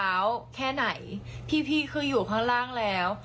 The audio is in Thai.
แค่ไหนพี่คืออยู่ข้างล่างแล้ว